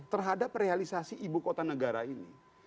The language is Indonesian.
terhadap realisasi ibu kota negara ini